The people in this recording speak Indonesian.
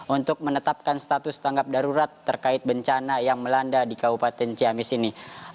untuk menetapkan status tanggap darurat terkait bencana yang melanda di kabupaten ciamis ini